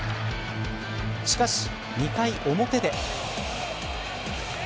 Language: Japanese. しかし、２回表で。